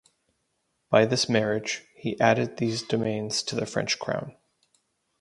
By this marriage, he added these domains to the French crown.